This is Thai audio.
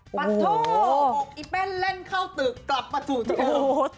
ปัดโทษบอกไอ้แป้นเล่นเข้าตึกกลับประสุทธิ์